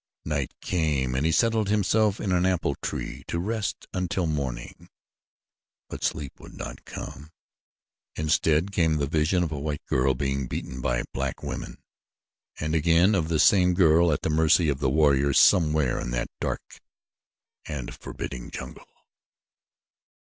Night came and he settled himself in an ample tree to rest until morning; but sleep would not come. Instead came the vision of a white girl being beaten by black women, and again of the same girl at the mercy of the warriors somewhere in that dark and forbidding jungle.